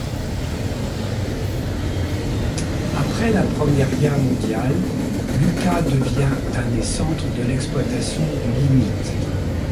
Après la Première Guerre mondiale, Lucka devient un des centres de l'exploitation du lignite.